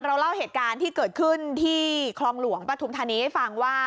เล่าเหตุการณ์ที่เกิดขึ้นที่คลองหลวงปฐุมธานีให้ฟังว่า